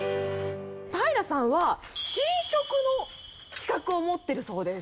平さんは神職の資格を持ってるそうです。